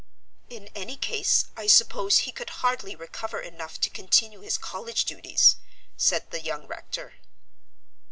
"In any case, I suppose, he could hardly recover enough to continue his college duties," said the young rector.